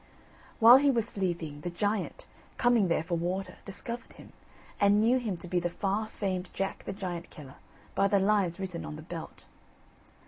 While he was sleeping, the giant, coming there for water, discovered him, and knew him to be the far famed Jack the Giant killer by the lines written on the belt.